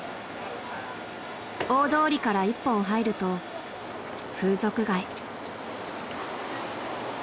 ［大通りから一本入ると風俗街］